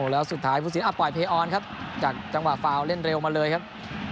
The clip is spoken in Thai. แล้วสุดท้ายผู้สินปล่อยเพออนครับจากจังหวะฟาวเล่นเร็วมาเลยครับ